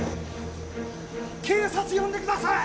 警察呼んでください！